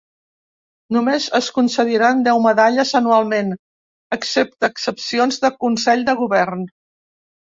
Només es concediran deu medalles anualment, excepte excepcions de Consell de Govern.